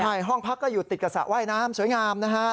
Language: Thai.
ใช่ห้องพักก็อยู่ติดกับสระว่ายน้ำสวยงามนะฮะ